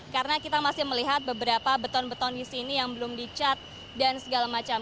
karena kita masih melihat beberapa beton beton di sini yang belum dicat dan segala macam